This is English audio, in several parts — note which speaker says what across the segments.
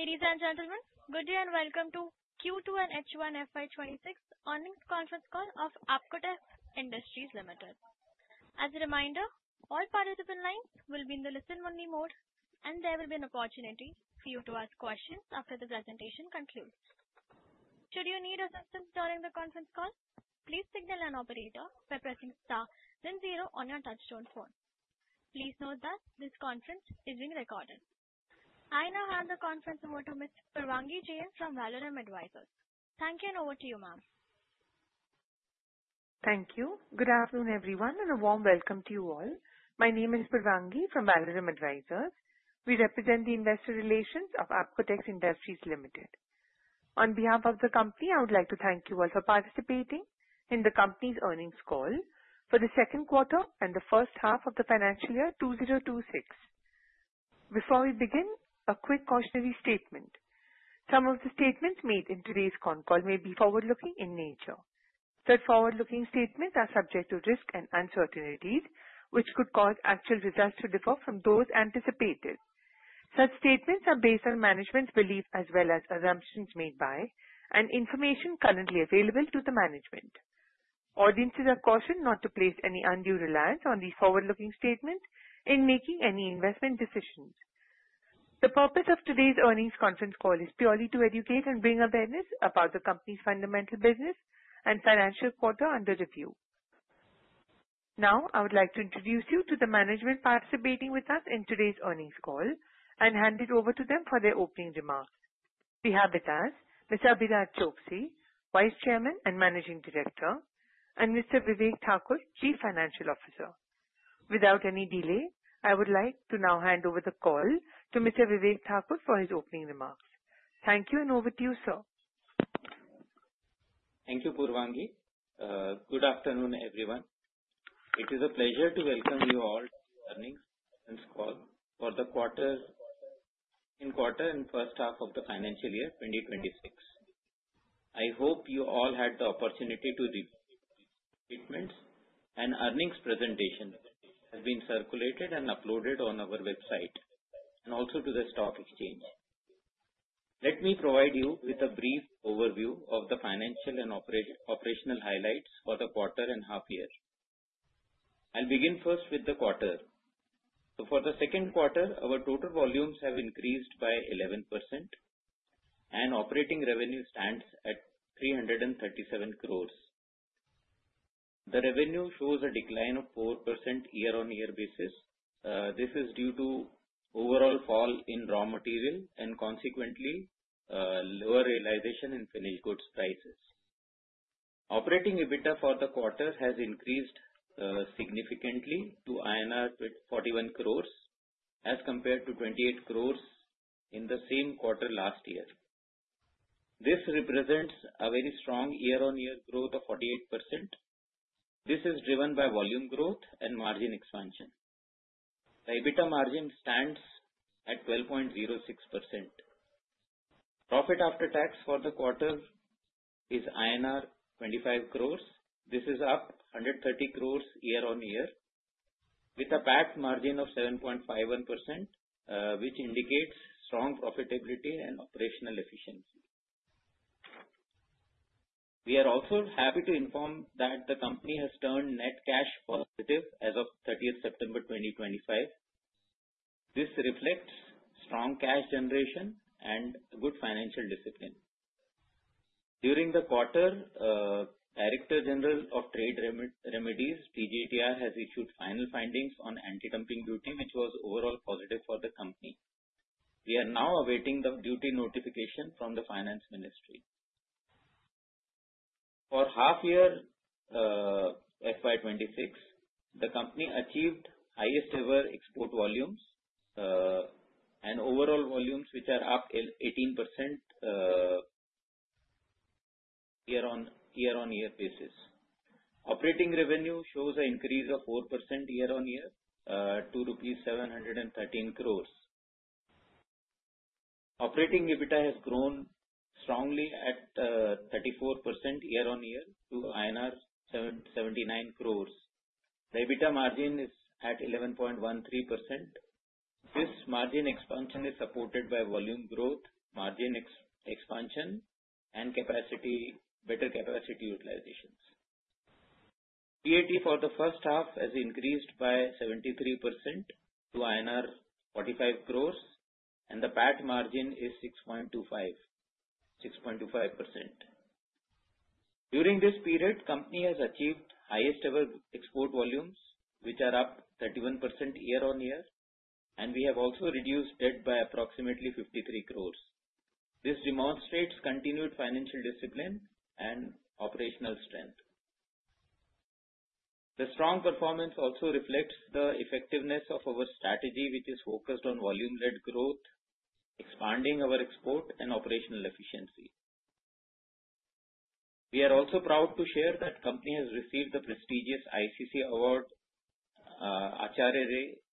Speaker 1: Ladies and gentlemen, good day and welcome to Q2 and H1 FY26 Earnings Conference Call of Apcotex Industries Limited. As a reminder, all participant lines will be in the listen-only mode, and there will be an opportunity for you to ask questions after the presentation concludes. Should you need assistance during the conference call, please signal an operator by pressing star then zero on your touch-tone phone. Please note that this conference is being recorded. I now hand the conference over to Ms. Purvangi Jain from Valorem Advisors. Thank you, and over to you, ma'am.
Speaker 2: Thank you. Good afternoon, everyone, and a warm welcome to you all. My name is Purvangi from Valorem Advisors. We represent the investor relations of Apcotex Industries Limited. On behalf of the company, I would like to thank you all for participating in the company's earnings call for the Q2 and the first half of the financial year 2026. Before we begin, a quick cautionary statement. Some of the statements made in today's conference call may be forward-looking in nature. Such forward-looking statements are subject to risk and uncertainties, which could cause actual results to differ from those anticipated. Such statements are based on management's beliefs as well as assumptions made by and information currently available to the management. Audiences are cautioned not to place any undue reliance on these forward-looking statements in making any investment decisions. The purpose of today's earnings conference call is purely to educate and bring awareness about the company's fundamental business and financial quarter under review. Now, I would like to introduce you to the management participating with us in today's earnings call and hand it over to them for their opening remarks. We have with us Mr. Abhiraj Choksey, Vice Chairman and Managing Director, and Mr. Vivek Thakur, Chief Financial Officer. Without any delay, I would like to now hand over the call to Mr. Vivek Thakur for his opening remarks. Thank you, and over to you, sir.
Speaker 3: Thank you, Purvangi. Good afternoon, everyone. It is a pleasure to welcome you all to the earnings conference call for the quarter on quarter and first half of the financial year 2026. I hope you all had the opportunity to read the statements and earnings presentations that have been circulated and uploaded on our website and also to the stock exchange. Let me provide you with a brief overview of the financial and operational highlights for the quarter and half year. I'll begin first with the quarter. So for the Q2, our total volumes have increased by 11%, and operating revenue stands at 337 crore. The revenue shows a decline of 4% year-on-year basis. This is due to overall fall in raw material and consequently lower realization in finished goods prices. Operating EBITDA for the quarter has increased significantly to INR 41 crore as compared to 28 crore in the same quarter last year. This represents a very strong year-on-year growth of 48%. This is driven by volume growth and margin expansion. The EBITDA margin stands at 12.06%. Profit after tax for the quarter is INR 25 crore. This is up 130 crores year-on-year with a PAT margin of 7.51%, which indicates strong profitability and operational efficiency. We are also happy to inform that the company has turned net cash positive as of 30th September 2025. This reflects strong cash generation and good financial discipline. During the quarter, Director General of Trade Remedies, DGTR, has issued final findings on anti-dumping duty, which was overall positive for the company. We are now awaiting the duty notification from the Ministry of Finance. For half-year FY26, the company achieved highest-ever export volumes and overall volumes, which are up 18% year-on-year basis. Operating revenue shows an increase of 4% year-on-year to INR 713 crore. Operating EBITDA has grown strongly at 34% year-on-year to INR 79 crore. The EBITDA margin is at 11.13%. This margin expansion is supported by volume growth, margin expansion, and better capacity utilization. PAT for the first half has increased by 73% to INR 45 crore, and the PAT margin is 6.25%. During this period, the company has achieved highest-ever export volumes, which are up 31% year-on-year, and we have also reduced debt by approximately 53 crore. This demonstrates continued financial discipline and operational strength. The strong performance also reflects the effectiveness of our strategy, which is focused on volume-led growth, expanding our export and operational efficiency. We are also proud to share that the company has received the prestigious ICC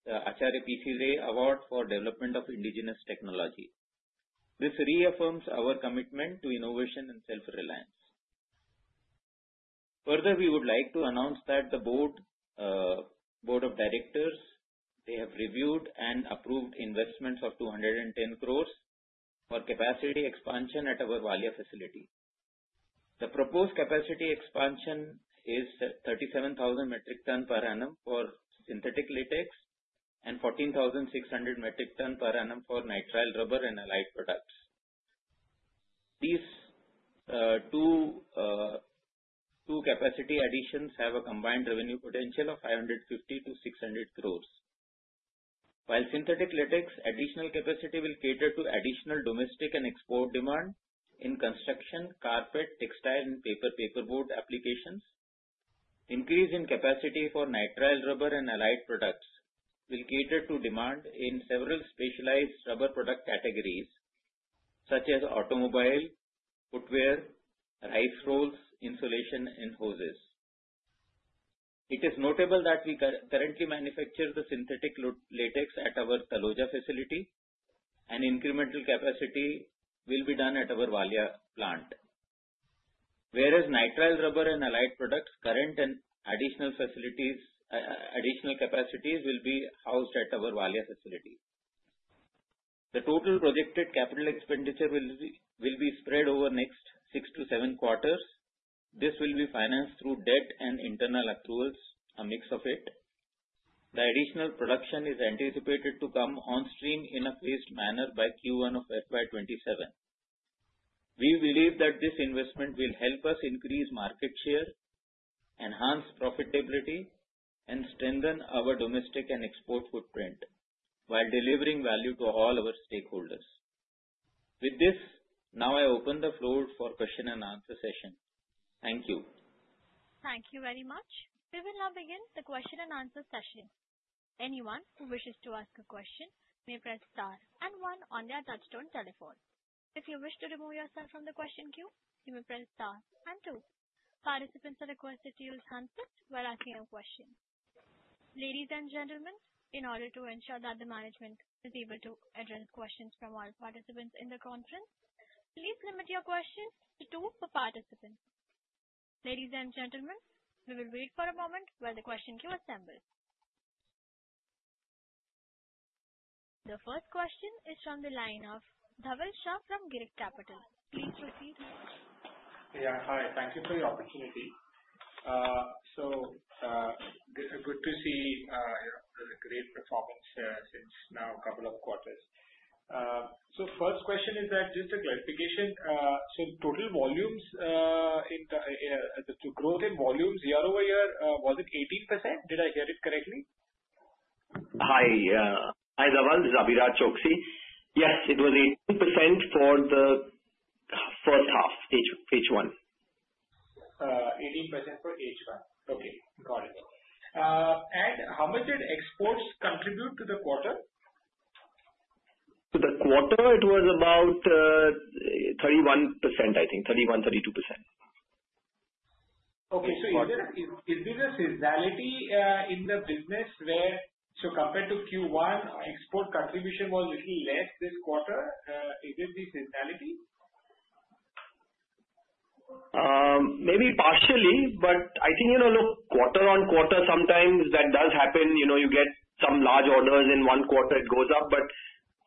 Speaker 3: Acharya PC Ray Award for Development of Indigenous Technology. This reaffirms our commitment to innovation and self-reliance. Further, we would like to announce that the Board of Directors has reviewed and approved investments of 210 crore for capacity expansion at our Valia facility. The proposed capacity expansion is 37,000 metric tons per annum for synthetic latex and 14,600 metric tons per annum for nitrile rubber and allied products. These two capacity additions have a combined revenue potential of 550 to 600 crore, while synthetic latex additional capacity will cater to additional domestic and export demand in construction, carpet, textile, and paperboard applications, increase in capacity for nitrile rubber and allied products will cater to demand in several specialized rubber product categories such as automobile, footwear, rice rolls, insulation, and hoses. It is notable that we currently manufacture the synthetic latex at our Taloja facility, and incremental capacity will be done at our Valia plant, whereas nitrile rubber and allied products' current and additional capacities will be housed at our Valia facility. The total projected capital expenditure will be spread over the next six to seven quarters. This will be financed through debt and internal accruals, a mix of it. The additional production is anticipated to come on stream in a phased manner by Q1 of FY27. We believe that this investment will help us increase market share, enhance profitability, and strengthen our domestic and export footprint while delivering value to all our stakeholders. With this, now I open the floor for the question and answer session. Thank you.
Speaker 1: Thank you very much. We will now begin the question and answer session. Anyone who wishes to ask a question may press star and one on their touch-tone telephone. If you wish to remove yourself from the question queue, you may press star and two. Participants are requested to use handsets while asking a question. Ladies and gentlemen, in order to ensure that the management is able to address questions from all participants in the conference, please limit your questions to two per participant. Ladies and gentlemen, we will wait for a moment while the question queue assembles. The first question is from the line of Dhaval Shah from Girik Capital. Please proceed.
Speaker 4: Yeah, hi. Thank you for the opportunity. So good to see the great performance since now a couple of quarters. So first question is just a clarification. So total volumes in the growth in volumes year-over-year was it 18%? Did I hear it correctly?
Speaker 5: Hi, Dhaval, Abhiraj Choksey. Yes, it was 18% for the first half, H1.
Speaker 4: 18% for H1. Okay. Got it. And how much did exports contribute to the quarter?
Speaker 5: To the quarter, it was about 31%, I think. 31%-32%.
Speaker 4: Okay, so is there a seasonality in the business where compared to Q1, export contribution was a little less this quarter? Is there any seasonality?
Speaker 5: Maybe partially, but I think quarter on quarter, sometimes that does happen. You get some large orders, and one quarter, it goes up, but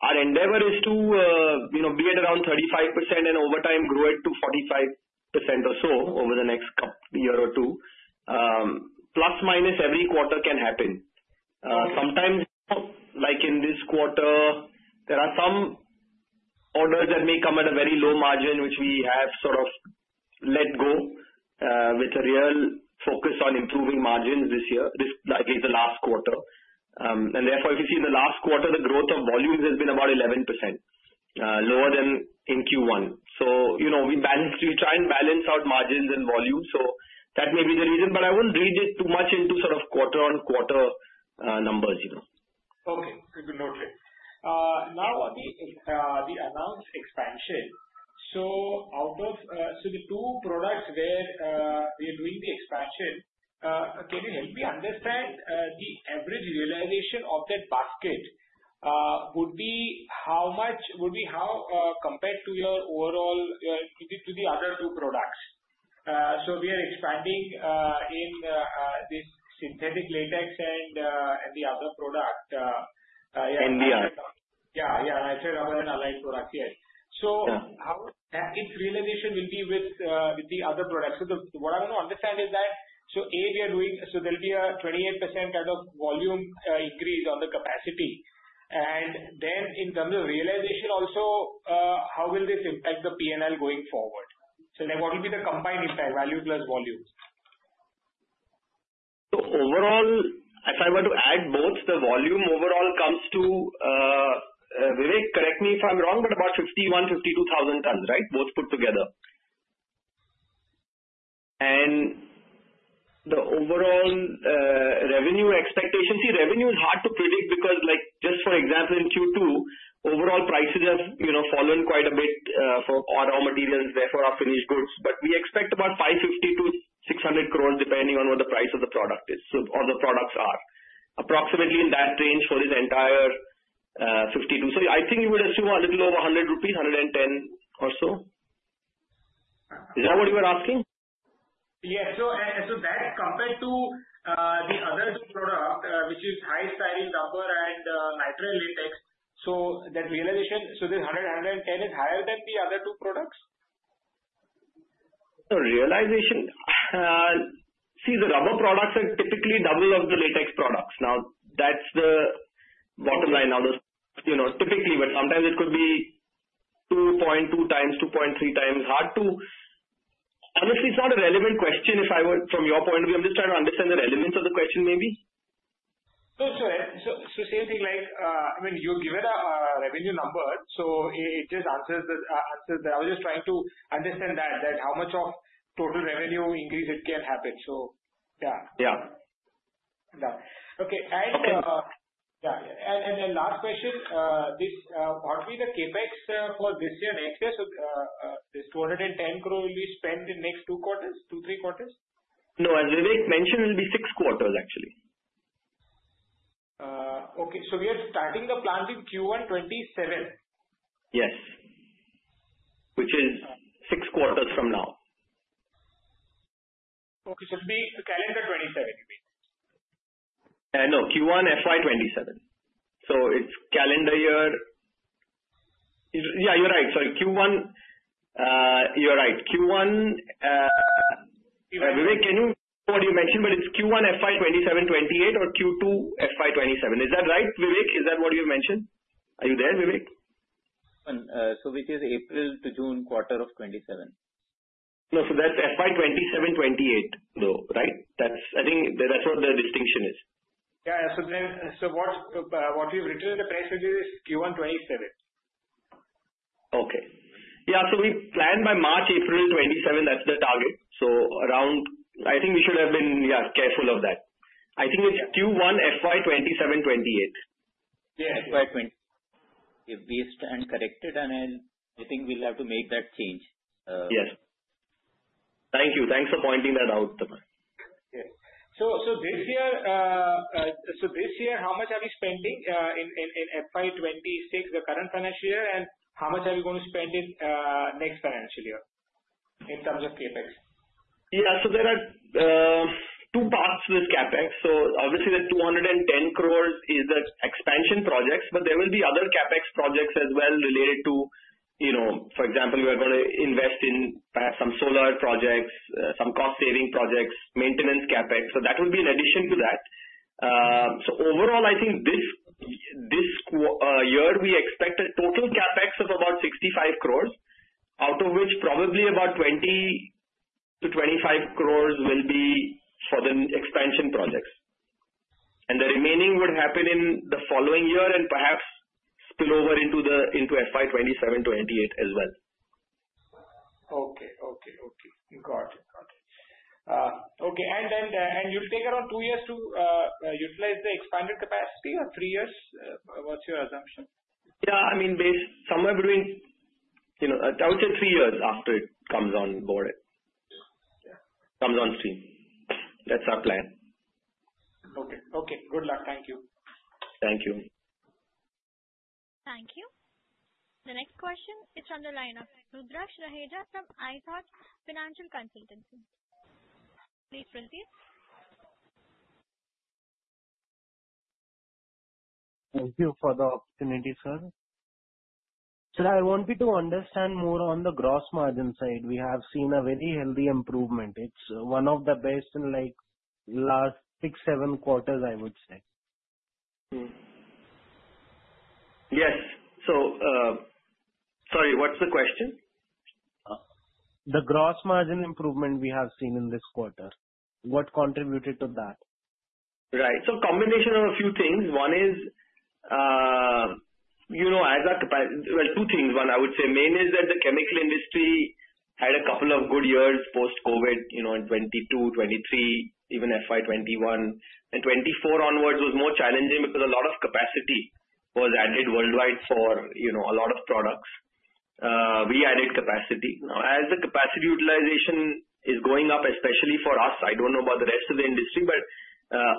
Speaker 5: our endeavor is to be at around 35% and over time grow it to 45% or so over the next year or two. Plus minus, every quarter can happen. Sometimes, like in this quarter, there are some orders that may come at a very low margin, which we have sort of let go with a real focus on improving margins this year, likely the last quarter. And therefore, if you see in the last quarter, the growth of volumes has been about 11%, lower than in Q1, so we try and balance out margins and volumes, so that may be the reason, but I wouldn't read it too much into sort of quarter on quarter numbers.
Speaker 4: Okay. Good to note it. Now, on the announced expansion, so out of the two products where we are doing the expansion, can you help me understand the average realization of that basket would be how much would be how compared to your overall to the other two products? So we are expanding in this synthetic latex and the other product.
Speaker 5: NBR.
Speaker 4: Yeah. Yeah. And I said other than allied products. Yes. So how that realization will be with the other products? So what I want to understand is that, so A, we are doing so there'll be a 28% kind of volume increase on the capacity. And then in terms of realization, also, how will this impact the P&L going forward? So then what will be the combined impact, value plus volume?
Speaker 5: So overall, if I were to add both, the volume overall comes to Vivek, correct me if I'm wrong, but about 51-52 thousand tons, right, both put together. And the overall revenue expectation, see, revenue is hard to predict because just for example, in Q2, overall prices have fallen quite a bit for raw materials, therefore our finished goods. But we expect about 550 to 600 crore depending on what the price of the product is or the products are. Approximately in that range for this entire 52. So I think you would assume a little over 100 rupees, 110 or so. Is that what you were asking?
Speaker 4: Yes. So that compared to the other two products, which is high styrene rubber and nitrile latex, so that realization so this 100, 110 is higher than the other two products?
Speaker 5: So, realization see, the rubber products are typically double of the latex products. Now, that's the bottom line now. Typically, but sometimes it could be 2.2 times, 2.3 times. Honestly, it's not a relevant question if I were from your point of view. I'm just trying to understand the relevance of the question maybe.
Speaker 4: So, same thing. I mean, you give it a revenue number, so it just answers that. I was just trying to understand that how much of total revenue increase it can happen. So yeah.
Speaker 5: Yeah.
Speaker 4: Yeah. Okay. And last question, what will be the CapEx for this year and next year? So this 210 crore will be spent in next two quarters, two, three quarters?
Speaker 5: No. As Vivek mentioned, it will be six quarters, actually.
Speaker 4: Okay. So we are starting the plant in Q1 2027?
Speaker 5: Yes. Which is six quarters from now.
Speaker 4: Okay. So it'll be calendar 2027, you mean?
Speaker 5: No. Q1 FY27. So it's calendar year. Yeah, you're right. Sorry. Q1, you're right. Q1, Vivek, can you what you mentioned, but it's Q1 FY27 '28 or Q2 FY27? Is that right, Vivek? Is that what you mentioned? Are you there, Vivek?
Speaker 3: Which is April to June quarter of 2027?
Speaker 5: No, so that's FY 2027-2028, though, right? I think that's what the distinction is.
Speaker 4: Yeah, so what we've written in the price is Q1 2027.
Speaker 5: Okay. Yeah. So we planned by March, April 2027. That's the target. So around, I think we should have been. Yeah, careful of that. I think it's Q1 FY 2027-28.
Speaker 3: Yes.
Speaker 5: FY20.
Speaker 3: We've based and corrected, and I think we'll have to make that change.
Speaker 5: Yes. Thank you. Thanks for pointing that out.
Speaker 4: Yes. So this year, how much are we spending in FY26, the current financial year, and how much are we going to spend in next financial year in terms of CapEx?
Speaker 5: Yeah. So there are two parts with CapEx. So obviously, the 210 crore is the expansion projects, but there will be other CapEx projects as well related to, for example, we are going to invest in some solar projects, some cost-saving projects, maintenance CapEx. So that will be in addition to that. So overall, I think this year, we expect a total CapEx of about 65 crore, out of which probably about 20 to 25 crore will be for the expansion projects. And the remaining would happen in the following year and perhaps spill over into FY 2027-28 as well.
Speaker 4: Okay. Got it. And you'll take around two years to utilize the expanded capacity or three years? What's your assumption?
Speaker 5: Yeah. I mean, somewhere between, I would say, three years after it comes on board, comes on stream. That's our plan.
Speaker 4: Okay. Okay. Good luck. Thank you.
Speaker 5: Thank you.
Speaker 1: Thank you. The next question is from the line of Rudraksh Raheja from ithought Financial Consulting. Please proceed.
Speaker 6: Thank you for the opportunity, sir. Sir, I want you to understand more on the gross margin side. We have seen a very healthy improvement. It's one of the best in last six, seven quarters, I would say.
Speaker 5: Yes, so sorry, what's the question?
Speaker 6: The gross margin improvement we have seen in this quarter. What contributed to that?
Speaker 5: Right. So combination of a few things. One is, as well, two things. One, I would say the main is that the chemical industry had a couple of good years post-COVID in 2022, 2023, even FY 2021. And 2024 onwards was more challenging because a lot of capacity was added worldwide for a lot of products. We added capacity. Now, as the capacity utilization is going up, especially for us, I don't know about the rest of the industry, but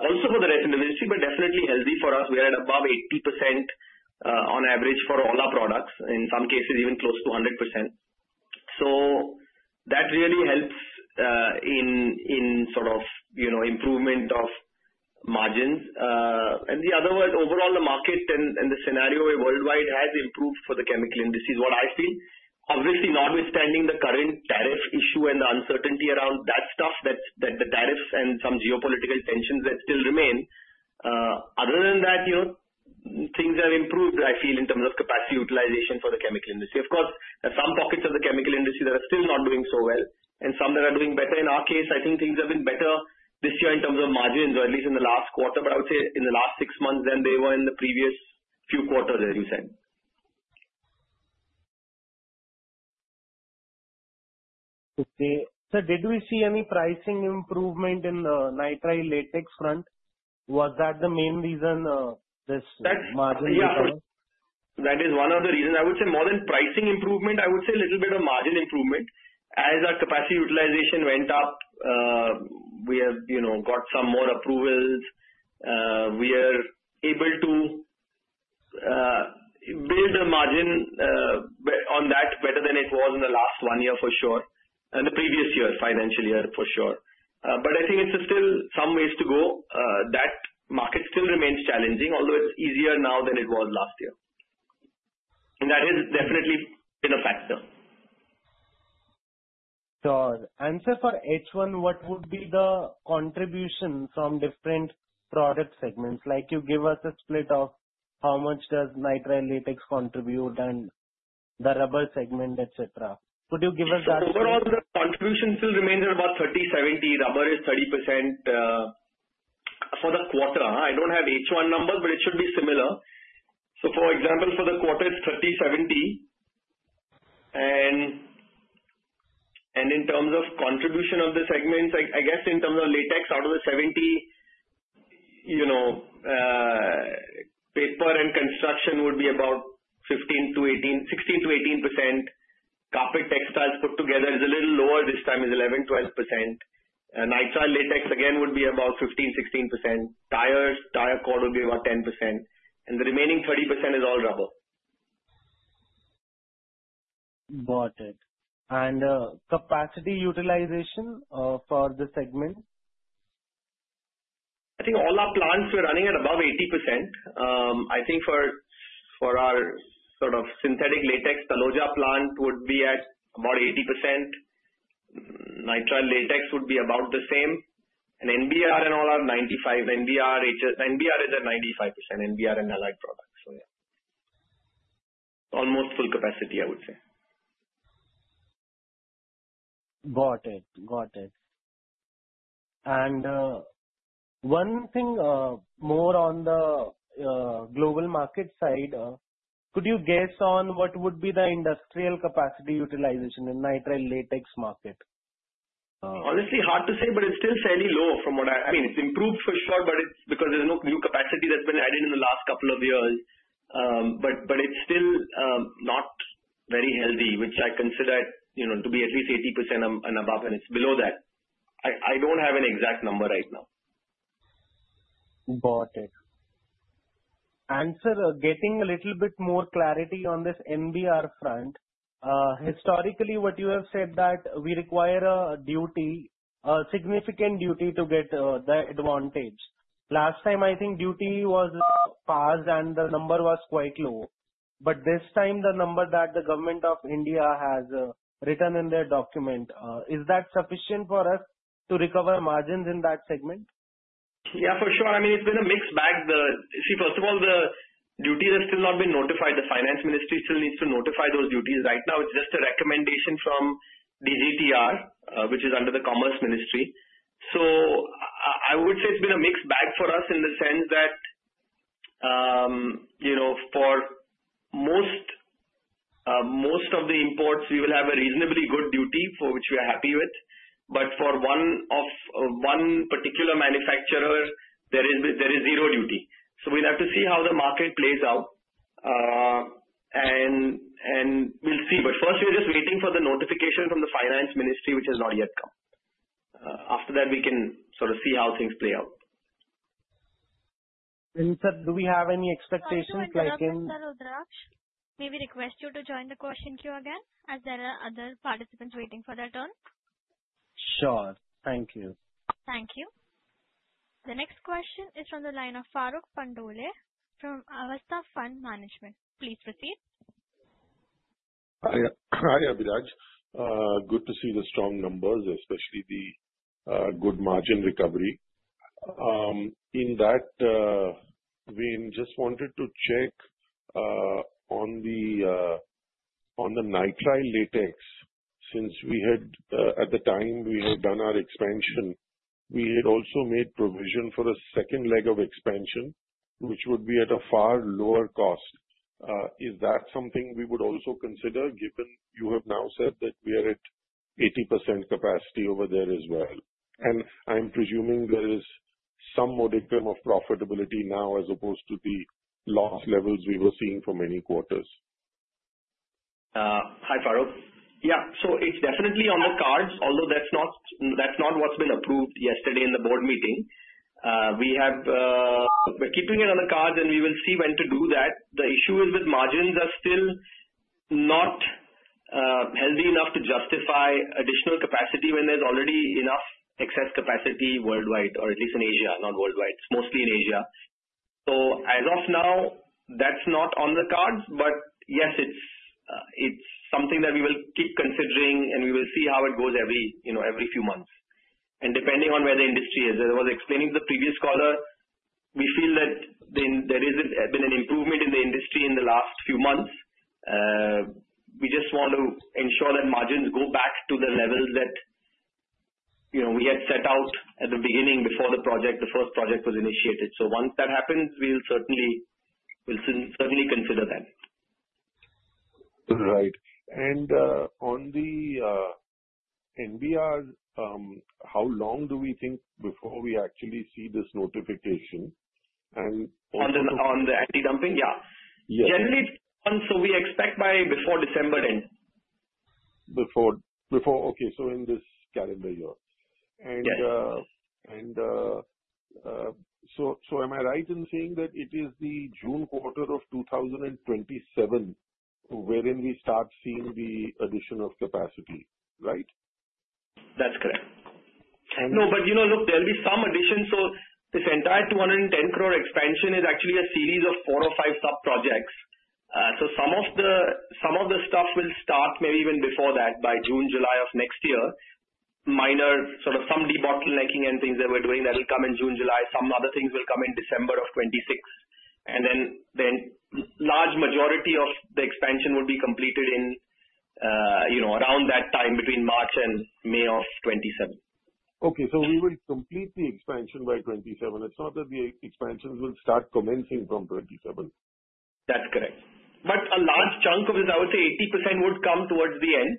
Speaker 5: also for the rest of the industry, but definitely healthy for us. We are at above 80% on average for all our products. In some cases, even close to 100%. So that really helps in sort of improvement of margins. And the other thing, overall, the market and the scenario worldwide has improved for the chemical industry, is what I feel. Obviously, notwithstanding the current tariff issue and the uncertainty around that stuff, the tariffs and some geopolitical tensions that still remain, other than that, things have improved, I feel, in terms of capacity utilization for the chemical industry. Of course, there are some pockets of the chemical industry that are still not doing so well, and some that are doing better. In our case, I think things have been better this year in terms of margins, or at least in the last quarter, but I would say in the last six months than they were in the previous few quarters as you said.
Speaker 6: Okay. Sir, did we see any pricing improvement in the nitrile latex front? Was that the main reason this margin improvement?
Speaker 5: That is one of the reasons. I would say more than pricing improvement, I would say a little bit of margin improvement. As our capacity utilization went up, we have got some more approvals. We are able to build a margin on that better than it was in the last one year for sure, and the previous year, financial year for sure. But I think it's still some ways to go. That market still remains challenging, although it's easier now than it was last year, and that has definitely been a factor.
Speaker 6: Sir, answer for H1, what would be the contribution from different product segments? You give us a split of how much does nitrile latex contribute and the rubber segment, etc. Could you give us that?
Speaker 5: Overall, the contribution still remains at about 30, 70. Rubber is 30% for the quarter. I don't have H1 number, but it should be similar. So for example, for the quarter, it's 30, 70. And in terms of contribution of the segments, I guess in terms of latex, out of the 70, paper and construction would be about 15% to 18%, 16% to 18%. Carpet textiles put together is a little lower this time, is 11% to 12%. Nitrile latex, again, would be about 15% to 16%. Tires, tire cord would be about 10%. And the remaining 30% is all rubber.
Speaker 6: Got it. And capacity utilization for the segment?
Speaker 5: I think all our plants we're running at above 80%. I think for our sort of synthetic latex, Taloja plant would be at about 80%. Nitrile latex would be about the same, and NBR and all are 95%. NBR is at 95%. NBR and allied products, so yeah. Almost full capacity, I would say.
Speaker 6: Got it. Got it. And one thing more on the global market side, could you guess on what would be the industrial capacity utilization in nitrile latex market?
Speaker 5: Honestly, hard to say, but it's still fairly low from what I mean. It's improved for sure, but it's because there's no new capacity that's been added in the last couple of years. But it's still not very healthy, which I consider to be at least 80% and above, and it's below that. I don't have an exact number right now.
Speaker 6: Got it. Answer, getting a little bit more clarity on this NBR front. Historically, what you have said that we require a duty, a significant duty to get the advantage. Last time, I think duty was passed and the number was quite low. But this time, the number that the Government of India has written in their document, is that sufficient for us to recover margins in that segment?
Speaker 5: Yeah, for sure. I mean, it's been a mixed bag. See, first of all, the duties have still not been notified. The Finance Ministry still needs to notify those duties. Right now, it's just a recommendation from DGTR, which is under the Commerce Ministry. So I would say it's been a mixed bag for us in the sense that for most of the imports, we will have a reasonably good duty for which we are happy with. But for one particular manufacturer, there is zero duty. So we'll have to see how the market plays out, and we'll see. But first, we're just waiting for the notification from the Finance Ministry, which has not yet come. After that, we can sort of see how things play out.
Speaker 6: Sir, do we have any expectations like in?
Speaker 1: Thank you, Rudraksh. May we request you to join the question queue again as there are other participants waiting for their turn?
Speaker 6: Sure. Thank you.
Speaker 1: Thank you. The next question is from the line of Farokh Pandole from Avestha Fund Management. Please proceed.
Speaker 7: Hi, Abhiraj. Good to see the strong numbers, especially the good margin recovery. In that, we just wanted to check on the nitrile latex. Since at the time we had done our expansion, we had also made provision for a second leg of expansion, which would be at a far lower cost. Is that something we would also consider given you have now said that we are at 80% capacity over there as well? And I'm presuming there is some modicum of profitability now as opposed to the loss levels we were seeing for many quarters.
Speaker 5: Hi, Farokh. Yeah. So it's definitely on the cards, although that's not what's been approved yesterday in the board meeting. We're keeping it on the cards, and we will see when to do that. The issue is with margins are still not healthy enough to justify additional capacity when there's already enough excess capacity worldwide, or at least in Asia, not worldwide. It's mostly in Asia, so as of now, that's not on the cards, but yes, it's something that we will keep considering, and we will see how it goes every few months, and depending on where the industry is, as I was explaining to the previous caller, we feel that there has been an improvement in the industry in the last few months. We just want to ensure that margins go back to the levels that we had set out at the beginning before the project, the first project was initiated. So once that happens, we'll certainly consider that.
Speaker 7: Right. And on the NBR, how long do we think before we actually see this notification?
Speaker 5: On the anti-dumping? Yeah.
Speaker 7: Yes.
Speaker 5: Generally, so we expect by before December 10.
Speaker 7: Okay, so in this calendar year.
Speaker 5: Yes.
Speaker 7: And so am I right in saying that it is the June quarter of 2027 wherein we start seeing the addition of capacity, right?
Speaker 5: That's correct. No, but look, there'll be some addition. So this entire 210 crore expansion is actually a series of four or five sub-projects. So some of the stuff will start maybe even before that, by June, July of next year. Minor sort of some debottling and things that we're doing, that'll come in June, July. Some other things will come in December of 2026. And then large majority of the expansion will be completed in around that time between March and May of 2027.
Speaker 7: Okay. So we will complete the expansion by 2027. It's not that the expansions will start commencing from 2027.
Speaker 5: That's correct. But a large chunk of this, I would say 80%, would come toward the end.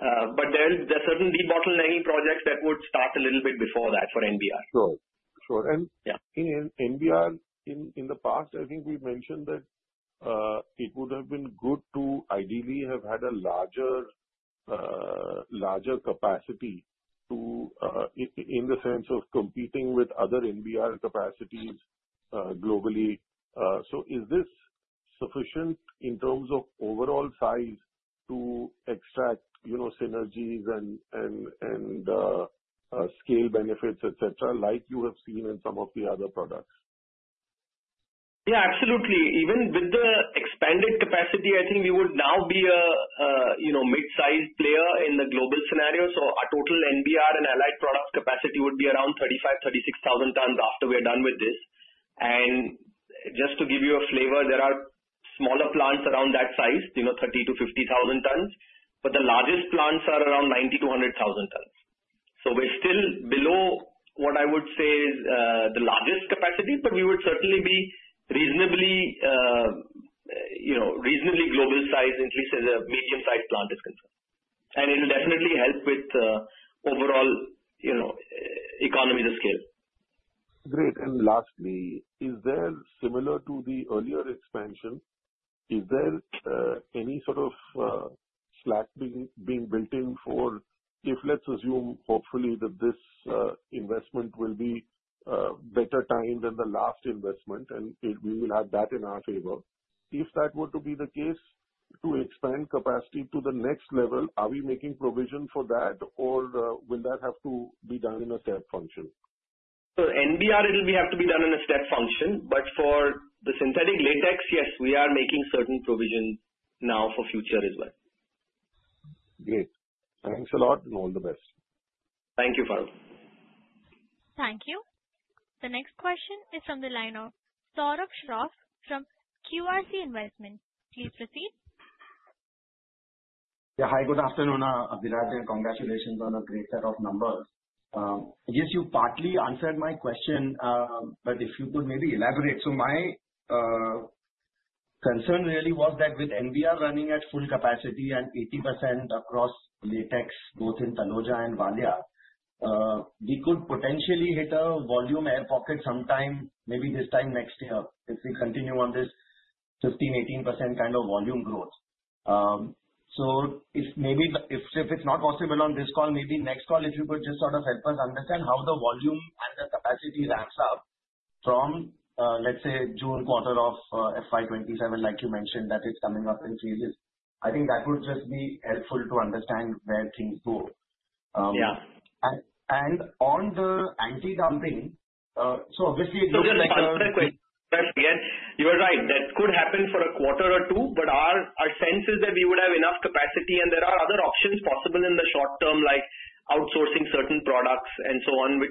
Speaker 5: But there are certain debottling projects that would start a little bit before that for NBR.
Speaker 7: Sure. Sure. And NBR, in the past, I think we mentioned that it would have been good to ideally have had a larger capacity in the sense of competing with other NBR capacities globally. So is this sufficient in terms of overall size to extract synergies and scale benefits, etc., like you have seen in some of the other products?
Speaker 5: Yeah, absolutely. Even with the expanded capacity, I think we would now be a mid-sized player in the global scenario. So our total NBR and allied product capacity would be around 35,000, 36,000 tons after we're done with this. And just to give you a flavor, there are smaller plants around that size, 30,000 to 50,000 tons. But the largest plants are around 90,000 to 100,000 tons. So we're still below what I would say is the largest capacity, but we would certainly be reasonably global size, at least as a medium-sized plant is concerned. And it'll definitely help with overall economy to scale.
Speaker 7: Great, and lastly, is there, similar to the earlier expansion, any sort of slack being built in for if, let's assume, hopefully, that this investment will be better timed than the last investment, and we will have that in our favor? If that were to be the case, to expand capacity to the next level, are we making provision for that, or will that have to be done in a step function?
Speaker 5: For NBR, it'll have to be done in a step function. But for the synthetic latex, yes, we are making certain provision now for future as well.
Speaker 7: Great. Thanks a lot and all the best.
Speaker 5: Thank you, Farokh.
Speaker 1: Thank you. The next question is from the line of Saurabh Shroff from QRC Investment. Please proceed.
Speaker 8: Yeah. Hi, good afternoon, Abhiraj. Congratulations on a great set of numbers. Yes, you partly answered my question, but if you could maybe elaborate. So my concern really was that with NBR running at full capacity and 80% across latex, both in Taloja and Valia, we could potentially hit a volume air pocket sometime, maybe this time next year, if we continue on this 15%-18% kind of volume growth. So if it's not possible on this call, maybe next call, if you could just sort of help us understand how the volume and the capacity ramps up from, let's say, June quarter of FY27, like you mentioned, that it's coming up in phases. I think that would just be helpful to understand where things go.
Speaker 5: Yeah.
Speaker 8: And on the anti-dumping, so obviously.
Speaker 5: No, no, no. Just a quick question. Yeah. You were right. That could happen for a quarter or two, but our sense is that we would have enough capacity, and there are other options possible in the short term, like outsourcing certain products and so on, which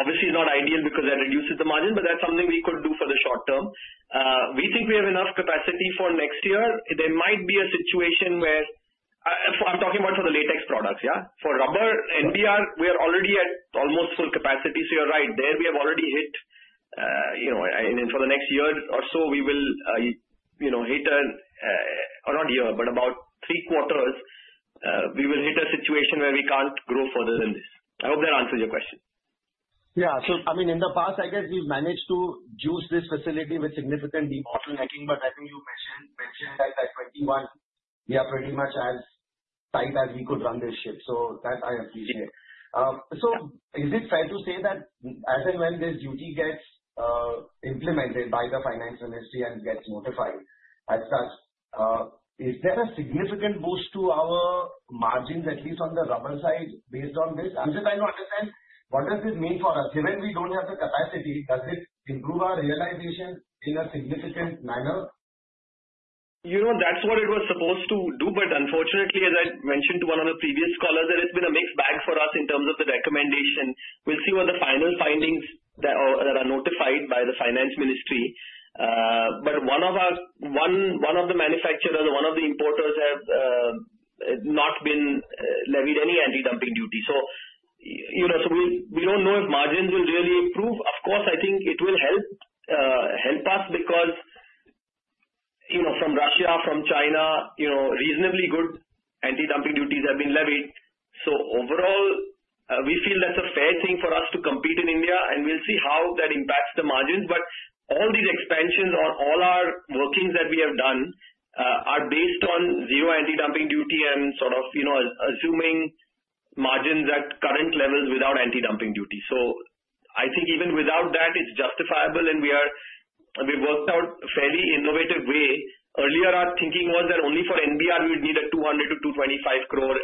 Speaker 5: obviously is not ideal because that reduces the margin, but that's something we could do for the short term. We think we have enough capacity for next year. There might be a situation where I'm talking about for the latex products, yeah? For rubber, NBR, we are already at almost full capacity. So you're right. There we have already hit. And for the next year or so, we will hit a situation not a year, but about three quarters, we will hit a situation where we can't grow further than this. I hope that answers your question.
Speaker 8: Yeah. So I mean, in the past, I guess we've managed to juice this facility with significant debottling, but I think you mentioned that at 21, we are pretty much as tight as we could run this ship. So that I appreciate. So is it fair to say that as and when this duty gets implemented by the Finance Ministry and gets notified, is there a significant boost to our margins, at least on the rubber side, based on this? I'm just trying to understand what does this mean for us? Given we don't have the capacity, does it improve our realization in a significant manner?
Speaker 5: That's what it was supposed to do, but unfortunately, as I mentioned to one of the previous callers, there has been a mixed bag for us in terms of the recommendation. We'll see what the final findings that are notified by the Finance Ministry. But one of the manufacturers, one of the importers, has not been levied any anti-dumping duty. So we don't know if margins will really improve. Of course, I think it will help us because from Russia, from China, reasonably good anti-dumping duties have been levied. So overall, we feel that's a fair thing for us to compete in India, and we'll see how that impacts the margins. But all these expansions or all our workings that we have done are based on zero anti-dumping duty and sort of assuming margins at current levels without anti-dumping duty. I think even without that, it's justifiable, and we worked out a fairly innovative way. Earlier, our thinking was that only for NBR, we would need an 200,000 crore to 225,000 crore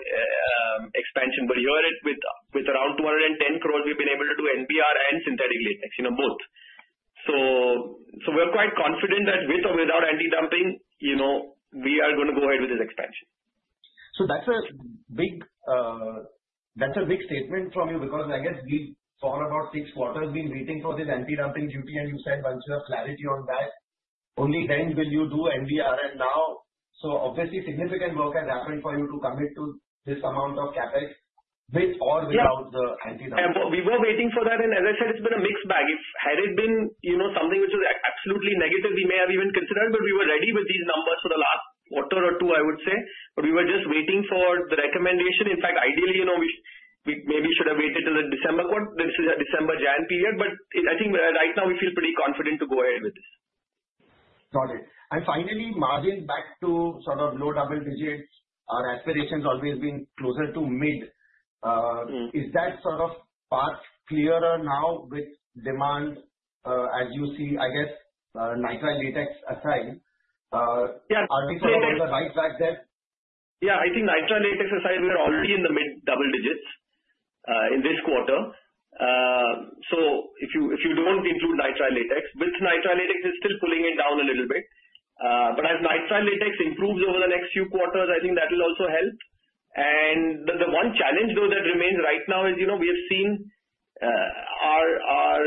Speaker 5: expansion. But here, with around 210,000 crore, we've been able to do NBR and synthetic latex, both. We're quite confident that with or without anti-dumping, we are going to go ahead with this expansion.
Speaker 8: So that's a big statement from you because I guess we've for about six quarters been waiting for this anti-dumping duty, and you said once you have clarity on that, only then will you do NBR. And now, so obviously, significant work has happened for you to commit to this amount of CapEx with or without the anti-dumping.
Speaker 5: Yeah. We were waiting for that, and as I said, it's been a mixed bag. If had it been something which was absolutely negative, we may have even considered, but we were ready with these numbers for the last quarter or two, I would say. But we were just waiting for the recommendation. In fact, ideally, maybe we should have waited till the December quarter, December, January period. But I think right now, we feel pretty confident to go ahead with this.
Speaker 8: Got it. And finally, margins back to sort of low double digits. Our aspiration has always been closer to mid. Is that sort of path clearer now with demand as you see, I guess, nitrile latex aside?
Speaker 5: Yeah.
Speaker 8: Are we sort of on the right track there?
Speaker 5: Yeah. I think nitrile latex aside, we're already in the mid double digits in this quarter. So if you don't include nitrile latex, with nitrile latex, it's still pulling it down a little bit. But as nitrile latex improves over the next few quarters, I think that will also help. And the one challenge, though, that remains right now is we have seen our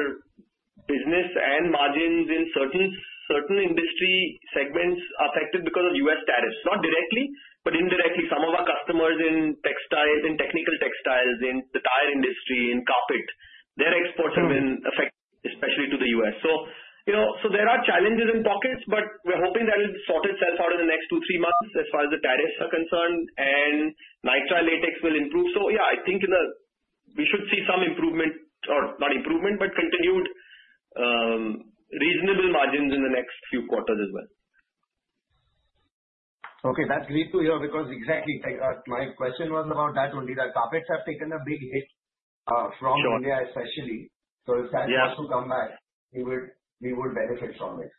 Speaker 5: business and margins in certain industry segments affected because of U.S. tariffs. Not directly, but indirectly. Some of our customers in technical textiles, in the tire industry, in carpet, their exports have been affected, especially to the U.S. So there are challenges in pockets, but we're hoping that it will sort itself out in the next two, three months as far as the tariffs are concerned, and nitrile latex will improve. So yeah, I think we should see some improvement, or not improvement, but continued reasonable margins in the next few quarters as well.
Speaker 8: Okay. That's great to hear because exactly my question was about that only that carpets have taken a big hit from India, especially. So if that also comes back, we would benefit from it.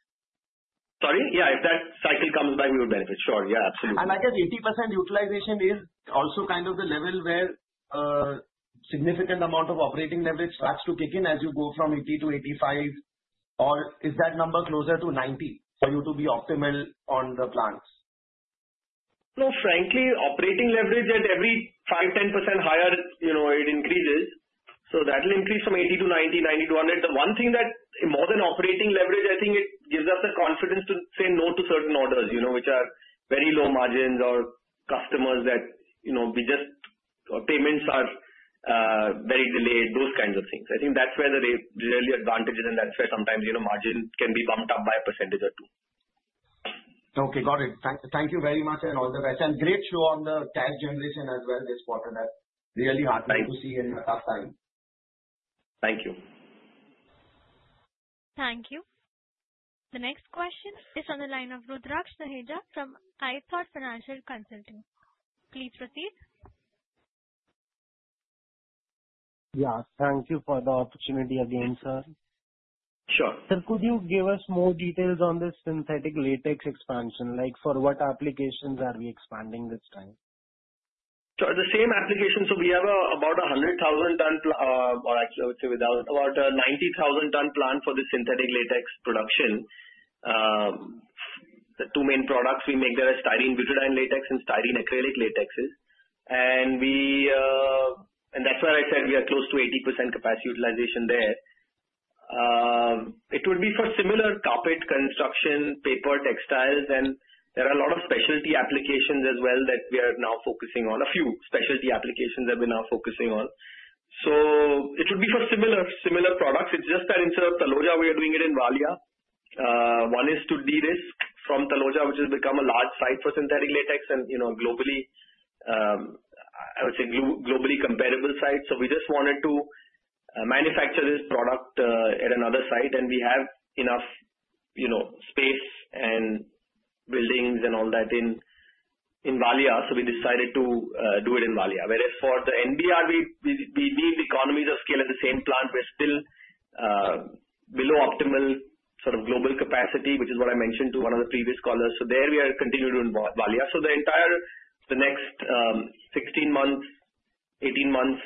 Speaker 5: Sorry? Yeah. If that cycle comes back, we would benefit. Sure. Yeah. Absolutely.
Speaker 8: I guess 80% utilization is also kind of the level where a significant amount of operating leverage starts to kick in as you go from 80% to 85%, or is that number closer to 90% for you to be optimal on the plants?
Speaker 5: No, frankly, operating leverage at every 5%, 10% higher, it increases. So that will increase from 80 to 90, 90 to 100. The one thing that more than operating leverage, I think it gives us the confidence to say no to certain orders, which are very low margins or customers that payments are very delayed, those kinds of things. I think that's where the real advantage is, and that's where sometimes margin can be bumped up by a percentage or two.
Speaker 8: Okay. Got it. Thank you very much and all the best, and great show on the cash generation as well this quarter. That's really heartening to see in a tough time.
Speaker 5: Thank you.
Speaker 1: Thank you. The next question is from the line of Rudraksh Raheja from ithought Financial Consulting Please proceed.
Speaker 6: Yeah. Thank you for the opportunity again, sir.
Speaker 5: Sure.
Speaker 6: Sir, could you give us more details on this synthetic latex expansion? For what applications are we expanding this time?
Speaker 5: So the same application. So we have about a 100,000-ton or actually, I would say without about a 90,000-ton plant for the synthetic latex production. The two main products we make there are styrene-butadiene latex and styrene-acrylic latexes. And that's why I said we are close to 80% capacity utilization there. It would be for similar carpet construction, paper, textiles, and there are a lot of specialty applications as well that we are now focusing on. A few specialty applications that we're now focusing on. So it would be for similar products. It's just that instead of Taloja, we are doing it in Valia. One is to de-risk from Taloja, which has become a large site for synthetic latex and, I would say, globally comparable site. So we just wanted to manufacture this product at another site, and we have enough space and buildings and all that in Valia. So we decided to do it in Valia. Whereas for the NBR, we need economies of scale at the same plant. We're still below optimal sort of global capacity, which is what I mentioned to one of the previous callers. So there we are continuing to do in Valia. So the entire next 16 months, 18 months,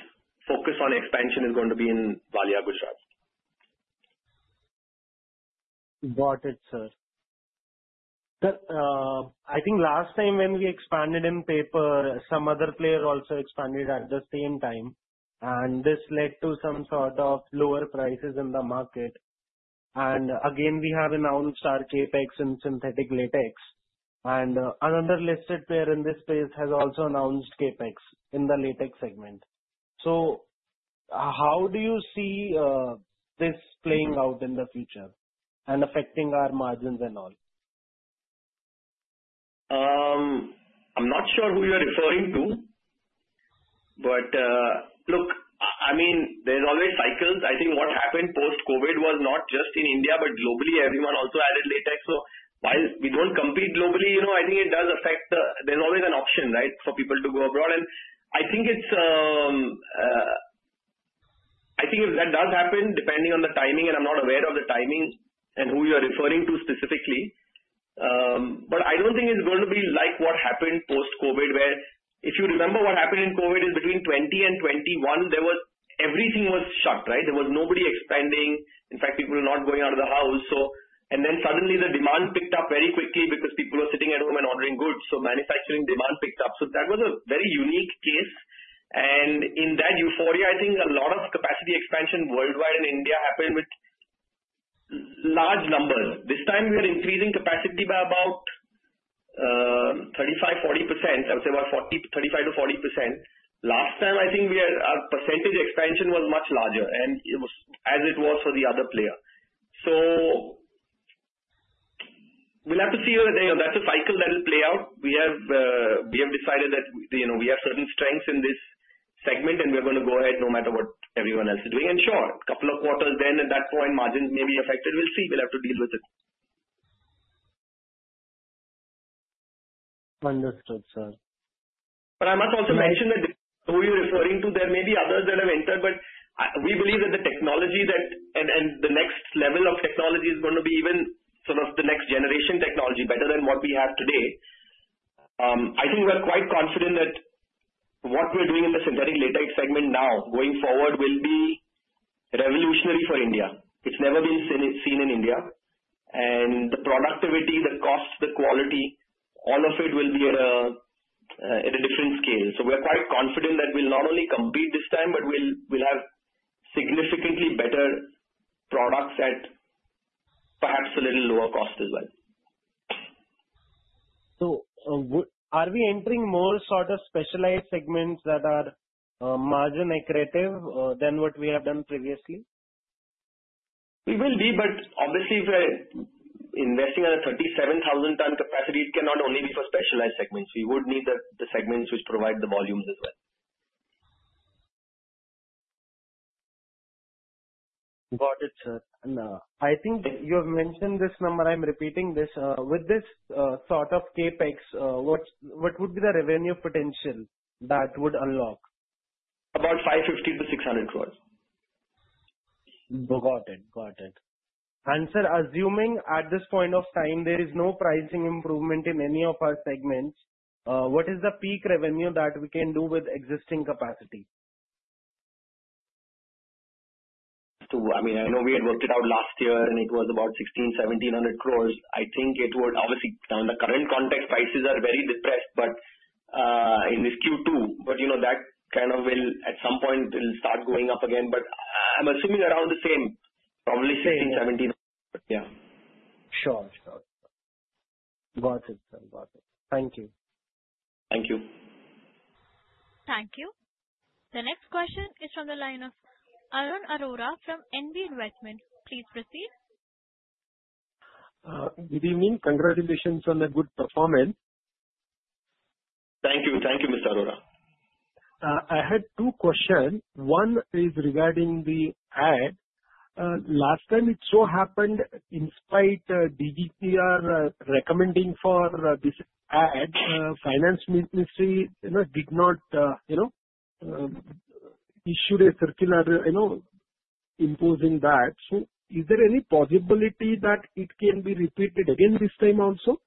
Speaker 5: focus on expansion is going to be in Valia, Gujarat.
Speaker 6: Got it, sir. Sir, I think last time when we expanded in paper, some other player also expanded at the same time, and this led to some sort of lower prices in the market. And again, we have announced our CapEx in synthetic latex, and another listed player in this space has also announced CapEx in the latex segment. So how do you see this playing out in the future and affecting our margins and all?
Speaker 5: I'm not sure who you're referring to, but look, I mean, there's always cycles. I think what happened post-COVID was not just in India, but globally, everyone also added latex. So while we don't compete globally, I think it does affect. There's always an option, right, for people to go abroad. And I think if that does happen, depending on the timing, and I'm not aware of the timing and who you're referring to specifically, but I don't think it's going to be like what happened post-COVID, where if you remember what happened in COVID, it's between 2020 and 2021, everything was shut, right? There was nobody expanding. In fact, people were not going out of the house. And then suddenly, the demand picked up very quickly because people were sitting at home and ordering goods. So manufacturing demand picked up. So that was a very unique case. In that euphoria, I think a lot of capacity expansion worldwide and India happened with large numbers. This time, we are increasing capacity by about 35-40%. I would say about 35-40%. Last time, I think our percentage expansion was much larger, as it was for the other player. So we'll have to see, that's a cycle that will play out. We have decided that we have certain strengths in this segment, and we're going to go ahead no matter what everyone else is doing. And sure, a couple of quarters then at that point, margins may be affected. We'll see. We'll have to deal with it.
Speaker 6: Understood, sir.
Speaker 5: But I must also mention that who you're referring to, there may be others that have entered, but we believe that the technology and the next level of technology is going to be even sort of the next generation technology, better than what we have today. I think we're quite confident that what we're doing in the synthetic latex segment now, going forward, will be revolutionary for India. It's never been seen in India. And the productivity, the cost, the quality, all of it will be at a different scale. So we're quite confident that we'll not only compete this time, but we'll have significantly better products at perhaps a little lower cost as well.
Speaker 6: So are we entering more sort of specialized segments that are margin-accretive than what we have done previously?
Speaker 5: We will be, but obviously, investing at a 37,000-ton capacity. It cannot only be for specialized segments. We would need the segments which provide the volumes as well.
Speaker 6: Got it, sir. And I think you have mentioned this number. I'm repeating this. With this sort of CapEx, what would be the revenue potential that would unlock?
Speaker 5: About 550 crore to 600 crore.
Speaker 6: Got it. Got it. And sir, assuming at this point of time, there is no pricing improvement in any of our segments, what is the peak revenue that we can do with existing capacity?
Speaker 5: I mean, I know we had worked it out last year, and it was about 1600 crore to 1700 crore. I think it would obviously, now in the current context, prices are very depressed, but in this Q2, but that kind of will at some point start going up again. But I'm assuming around the same, probably 16-17.
Speaker 6: Yeah. Sure. Got it, sir. Got it. Thank you.
Speaker 5: Thank you.
Speaker 1: Thank you. The next question is from the line of Arun Arora from NB Investments. Please proceed.
Speaker 9: Do you mean congratulations on the good performance?
Speaker 5: Thank you. Thank you, Mr. Arora.
Speaker 10: I had two questions. One is regarding the AD. Last time, it so happened in spite of DGTR recommending for this AD, the Ministry of Finance did not issue a circular imposing that. So is there any possibility that it can be repeated again this time also?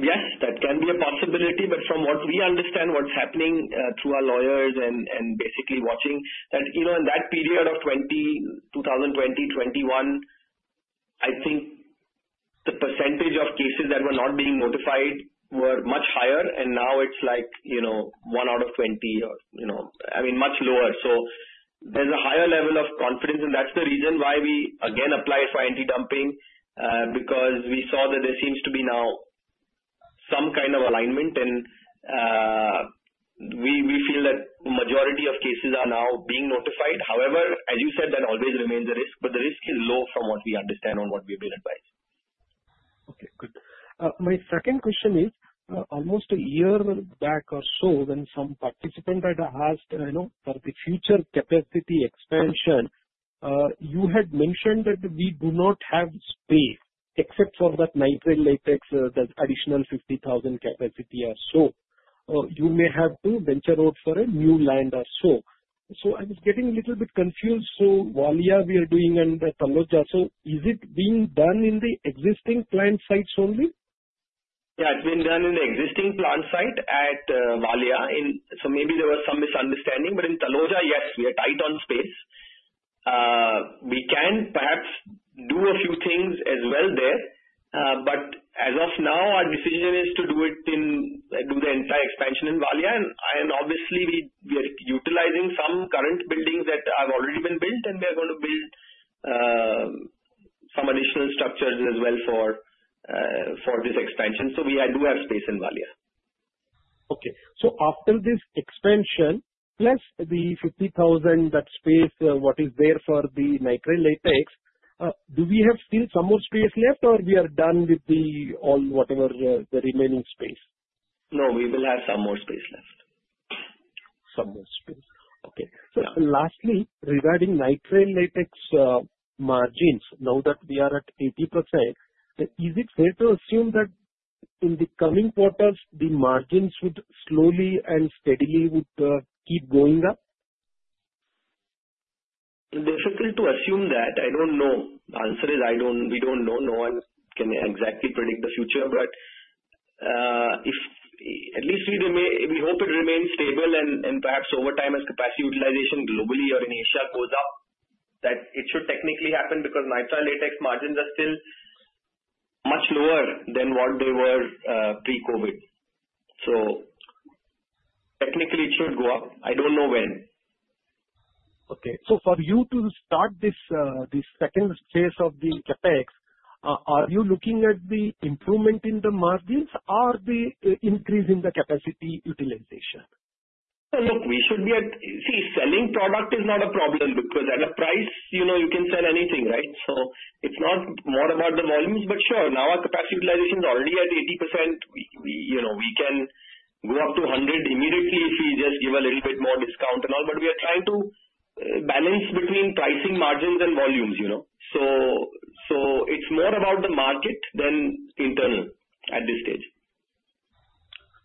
Speaker 5: Yes, that can be a possibility. But from what we understand, what's happening through our lawyers and basically watching, that in that period of 2020, 21, I think the percentage of cases that were not being notified were much higher, and now it's like one out of 20, or I mean, much lower. So there's a higher level of confidence, and that's the reason why we, again, applied for anti-dumping because we saw that there seems to be now some kind of alignment, and we feel that the majority of cases are now being notified. However, as you said, that always remains a risk, but the risk is low from what we understand on what we've been advised.
Speaker 10: Okay. Good. My second question is, almost a year back or so, when some participant had asked for the future capacity expansion, you had mentioned that we do not have space except for that nitrile latex, that additional 50,000 capacity or so. You may have to venture out for a new land or so. So I was getting a little bit confused. So Valia, we are doing, and Taloja, so is it being done in the existing plant sites only?
Speaker 5: Yeah. It's being done in the existing plant site at Valia. So maybe there was some misunderstanding, but in Taloja, yes, we are tight on space. We can perhaps do a few things as well there, but as of now, our decision is to do the entire expansion in Valia, and obviously, we are utilizing some current buildings that have already been built, and we are going to build some additional structures as well for this expansion. So we do have space in Valia.
Speaker 9: Okay, so after this expansion, plus the 50,000, that space, what is there for the nitrile latex? Do we have still some more space left, or we are done with whatever the remaining space?
Speaker 5: No, we will have some more space left.
Speaker 7: So lastly, regarding nitrile latex margins, now that we are at 80%, is it fair to assume that in the coming quarters, the margins would slowly and steadily keep going up?
Speaker 5: Difficult to assume that. I don't know. The answer is we don't know. No one can exactly predict the future, but at least we hope it remains stable, and perhaps over time, as capacity utilization globally or in Asia goes up, that it should technically happen because nitrile latex margins are still much lower than what they were pre-COVID, so technically, it should go up. I don't know when.
Speaker 9: Okay. So for you to start this second phase of the CapEx, are you looking at the improvement in the margins or the increase in the capacity utilization?
Speaker 5: Look, we should be at sea, selling product is not a problem because at a price, you can sell anything, right? So it's not more about the volumes, but sure, now our capacity utilization is already at 80%. We can go up to 100% immediately if we just give a little bit more discount and all, but we are trying to balance between pricing, margins, and volumes. So it's more about the market than internal at this stage.